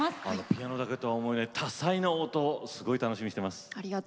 ピアノだけとは思えない多彩な音、楽しみにしてます。